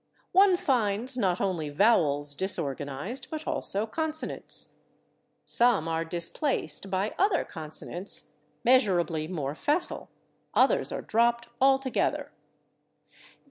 One finds, not only vowels disorganized, but also consonants. Some are displaced by other consonants, measurably more facile; others are dropped altogether.